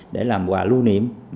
để làm quà lưu niệm